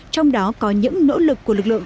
trong đó có những nỗ lực của lực lượng